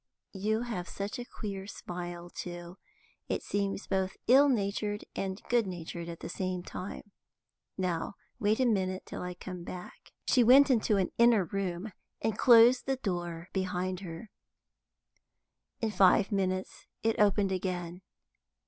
You have such a queer smile too; it seems both ill natured and good natured at the same time. Now wait a minute till I come back." She went into an inner room, and closed the door behind her. In five minutes it opened again.